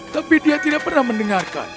tapi dia tidak pernah mendengarkan